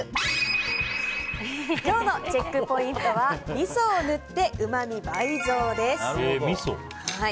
今日のチェックポイントはみそを塗ってうまみ倍増です。